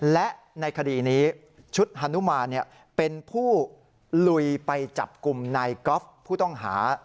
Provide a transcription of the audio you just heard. และในคดีนี้ชุดฮานุมานเป็นผู้ลุยไปจับกลุ่มนายกอล์ฟผู้ต้องหา